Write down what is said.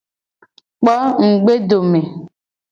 Kpo ngugbedome.